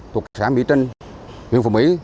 thuộc xã mỹ trinh huyện phùng mỹ